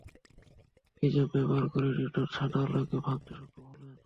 Prism ব্যবহার করেই Newton সাদা আলোকে ভাঙতে সক্ষম হলেন।